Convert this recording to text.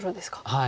はい。